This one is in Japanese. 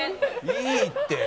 「いいって！」